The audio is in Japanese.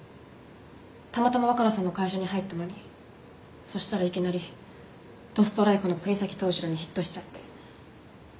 たまたま若菜さんの会社に入ったのにそしたらいきなりどストライクの國東統次郎にヒットしちゃって。